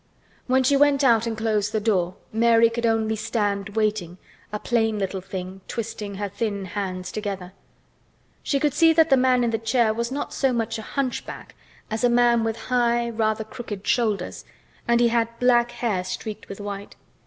When she went out and closed the door, Mary could only stand waiting, a plain little thing, twisting her thin hands together. She could see that the man in the chair was not so much a hunchback as a man with high, rather crooked shoulders, and he had black hair streaked with white.